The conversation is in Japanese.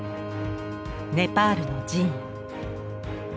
ネパールの寺院。